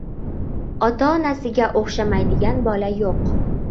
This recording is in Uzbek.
• Ota-onasiga o‘xshamaydigan bola yo‘q.